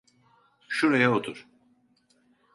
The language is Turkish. Şuraya otur.